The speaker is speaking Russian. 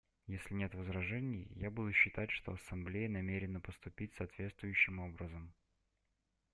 Если нет возражений, я буду считать, что Ассамблея намерена поступить соответствующим образом.